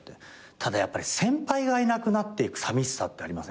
ただ先輩がいなくなっていくさみしさってありません？